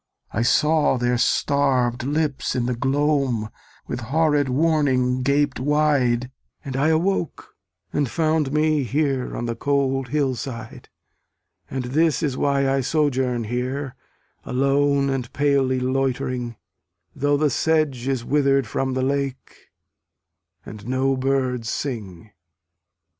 I saw their starv'd lips in the gloam With horrid warning gaped wide, And I awoke, and found me here On the cold hill side. And this is why I sojourn here Alone and palely loitering, Though the sedge is wither'd from the lake, And no birds sing.